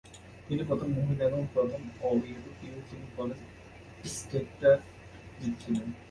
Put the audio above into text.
তিনি প্রথম মহিলা এবং প্রথম অ-ইউরোপীয় যিনি কলেজ ইস্টেডফড জিতেছিলেন।